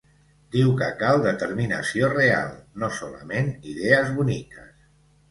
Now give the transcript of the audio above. Diu que cal determinació real, no solament idees boniques.